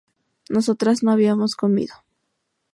nosotras no habíamos comido